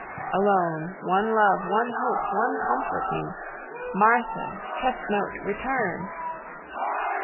_ Alone. One love. One hope. One comfort me. Martha, chestnote, return!